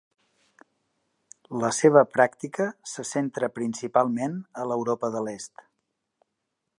La seva pràctica se centra principalment a l'Europa de l'est.